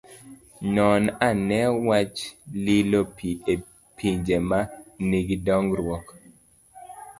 Non ane wach lilo pi e pinje ma nigi dongruok.